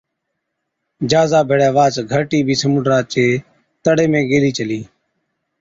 جھازا ڀيڙَي واهچ گھَرٽِي بِي سمُنڊا چي تڙي ۾ گيلِي چلِي۔